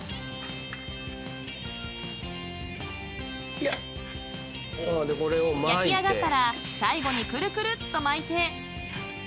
［焼き上がったら最後にくるくるっと巻いて］